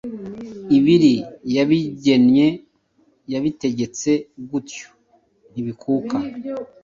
IbirYabigennye: yabitegetse gutyo ntibikuka